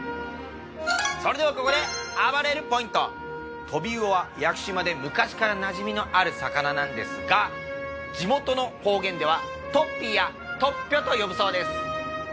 それではここであばれるポイントトビウオは屋久島で昔からなじみのある魚なんですが地元の方言では「トッピー」や「トッピョ」と呼ぶそうです